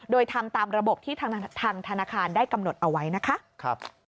โดยทำตามระบบที่ทางธนาคารได้กำหนดเอาไว้นะคะ